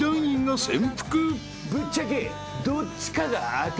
ぶっちゃけ。